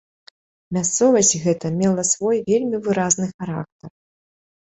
Мясцовасць гэта мела свой вельмі выразны характар.